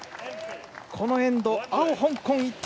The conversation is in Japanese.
このエンド青、香港が１点。